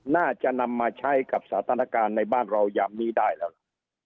น่าจะนำมาใช้กับสถานการณ์ในบ้านเรายามนี้ได้แล้วล่ะ